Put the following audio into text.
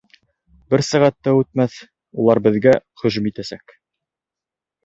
Бер сәғәт тә үтмәҫ, улар беҙгә һөжүм итәсәктәр.